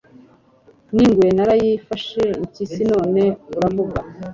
n'ingwe narayifashe impyisi none uravuga